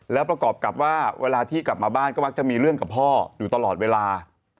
แล้วประกอบกับว่าเวลาที่กลับมาบ้านก็มักจะมีเรื่องกับพ่ออยู่ตลอดเวลา